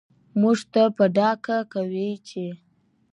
موږ ته په ډاګه کوي چې